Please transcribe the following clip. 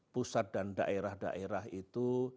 pusat dan daerah daerah itu